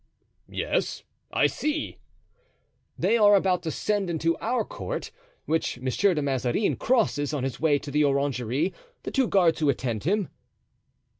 "Yes, I see." "They are about to send into our court, which Monsieur de Mazarin crosses on his way to the orangery, the two guards who attend him."